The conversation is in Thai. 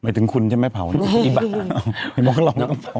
หมายถึงคุณจะไม่เผาเนี่ย